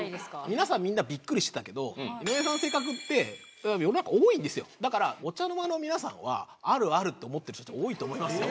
皆さんみんなビックリしてたけど井上さんの性格って世の中多いんですよだからと思ってる人って多いと思いますよ